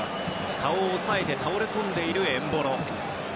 顔を押さえて倒れ込んだエンボロ。